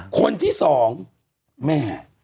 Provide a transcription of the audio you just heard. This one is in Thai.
คนที่สองแม่